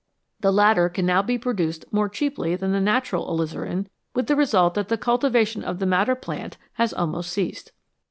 The latter can now be produced more cheaply than the natural alizarin, with the result that the cultivation of the madder plant has almost ceased.